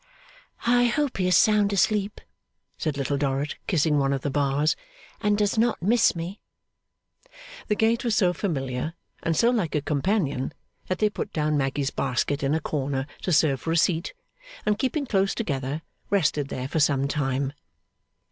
'I hope he is sound asleep,' said Little Dorrit, kissing one of the bars, 'and does not miss me.' The gate was so familiar, and so like a companion, that they put down Maggy's basket in a corner to serve for a seat, and keeping close together, rested there for some time.